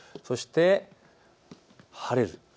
そして晴れる。